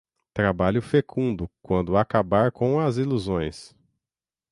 trabalho fecundo quando acabar com as ilusões